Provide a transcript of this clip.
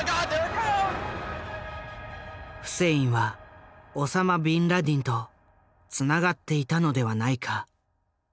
フセインはオサマ・ビンラディンとつながっていたのではないか。